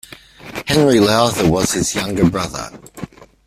Henry Lowther was his younger brother.